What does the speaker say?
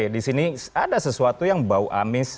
di sini ada sesuatu yang bau amis